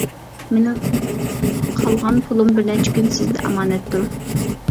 مېنىڭ قالغان پۇلۇم بىر نەچچە كۈن سىزدە ئامانەتتۇر.